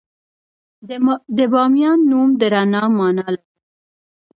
د بامیان نوم د رڼا مانا لري